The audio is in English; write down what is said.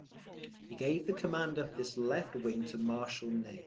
He gave the command of this left wing to Marshal Ney.